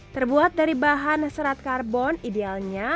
terbuat dari bahan serat karbon idealnya